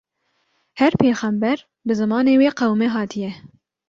her pêyxember bi zimanê wê qewmê hatiye.